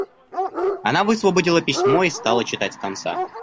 Она высвободила письмо и стала читать с конца.